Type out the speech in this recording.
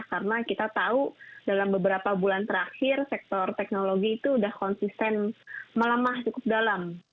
karena kita tahu dalam beberapa bulan terakhir sektor teknologi itu sudah konsisten malamah cukup dalam